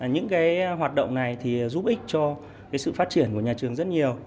những hoạt động này thì giúp ích cho sự phát triển của nhà trường rất nhiều